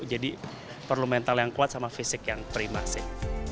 perlu mental yang kuat sama fisik yang prima sih